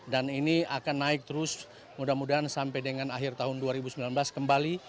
dan ini akan naik terus mudah mudahan sampai dengan akhir tahun dua ribu sembilan belas kembali